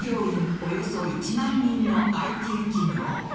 およそ１万人のＩＴ企業。